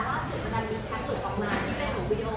ว่าสินค้าเช็ทหนึ่งออกมาที่ไปกับวีดีโอ